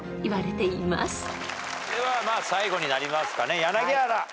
では最後になりますかね柳原。